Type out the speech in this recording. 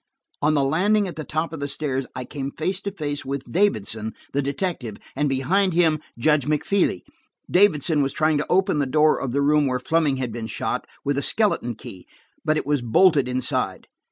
On the landing at the top of the stairs I came face to face with Davidson, the detective, and behind him Judge McFeely. Davidson was trying to open the door of the room where Fleming had been shot, with a skeleton key. But it was bolted inside.